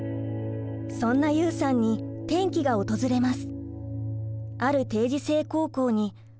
そんなユウさんに転機が訪れます。